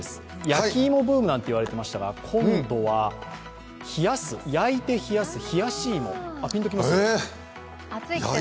焼き芋ブームなんていわれてましたが、今度は、冷やす、焼いて冷やす、冷やし芋。